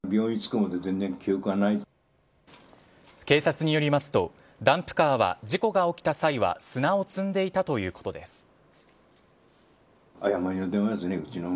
警察によりますとダンプカーは事故が起きた際は砂を積んでいたということです。